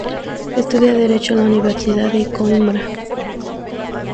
Estudia Derecho en la Universidad de Coímbra.